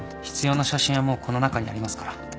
必要な写真はもうこの中にありますから。